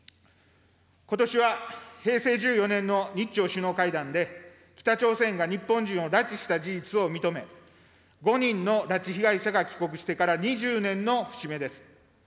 ことしは平成１４年の日朝首脳会談で北朝鮮が日本人を拉致した事実を認め、５人の拉致被害者が帰国してから２０年の節目です。